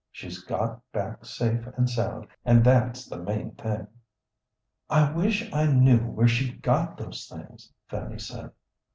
She's got back safe and sound, and that's the main thing." "I wish I knew where she got those things," Fanny said.